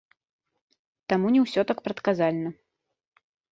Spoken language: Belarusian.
Таму не ўсё так прадказальна.